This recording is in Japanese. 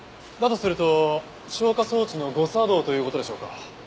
だとすると消火装置の誤作動という事でしょうか？